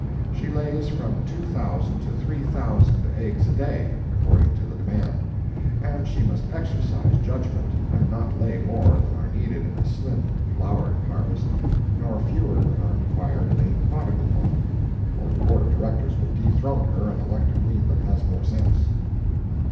She lays from two thousand to three thousand eggs a day, according to the demand; and she must exercise judgment, and not lay more than are needed in a slim flower harvest, nor fewer than are required in a prodigal one, or the board of directors will dethrone her and elect a queen that has more sense.